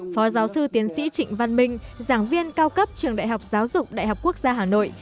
phó giáo sư tiến sĩ trịnh văn minh giảng viên cao cấp trường đại học giáo dục đại học quốc gia hà nội